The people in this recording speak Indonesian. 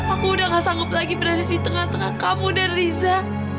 aku udah gak sanggup lagi berada di tengah tengah kamu dan riza